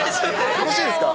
よろしいですか？